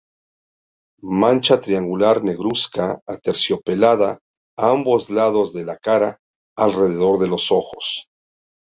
Mancha triangular negruzca aterciopelada a ambos lados de la cara, alrededor de los ojos.